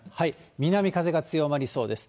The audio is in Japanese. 南風が強まりそうです。